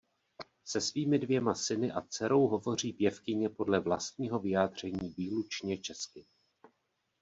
Se svými dvěma syny a dcerou hovoří pěvkyně podle vlastního vyjádření výlučně česky.